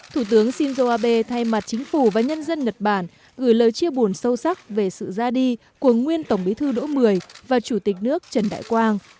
thủ tướng shinzo abe thay mặt chính phủ và nhân dân nhật bản gửi lời chia buồn sâu sắc về sự ra đi của nguyên tổng bí thư đỗ mười và chủ tịch nước trần đại quang